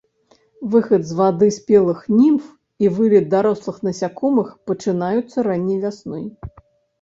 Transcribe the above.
Выхад з вады спелых німф і вылет дарослых насякомых пачынаюцца ранняй вясной.